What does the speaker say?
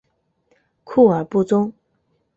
库尔布宗。